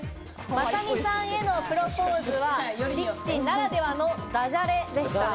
雅美さんへのプロポーズは力士ならではのダジャレでした。